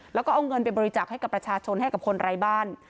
แล้วก็เอาเงินไปบริจาคให้กับประชาชนให้กับคนไร้บ้าน